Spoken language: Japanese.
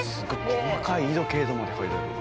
細かい緯度経度まで書いてある。